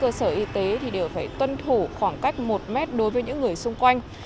các cơ sở y tế đều phải tuân thủ khoảng cách một mét đối với những người xung quanh